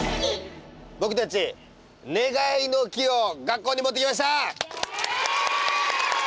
僕たち願いの木を学校に持ってきました！